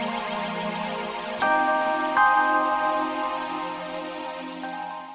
tidur untuk selamanya